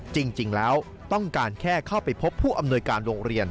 จริงแล้วต้องการแค่เข้าไปพบผู้อำนวยการโรงเรียน